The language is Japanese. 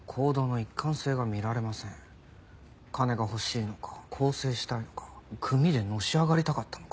金が欲しいのか更生したいのか組でのし上がりたかったのか。